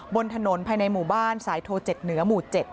บนถนนภายในหมู่บ้านสายโท๗เหนือหมู่๗